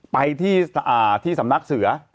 ไปที่สำนักเสือ